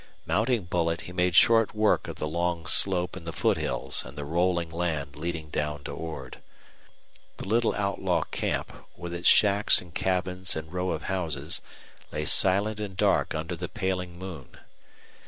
Mounting Bullet, he made short work of the long slope and the foothills and the rolling land leading down to Ord. The little outlaw camp, with its shacks and cabins and row of houses, lay silent and dark under the paling moon.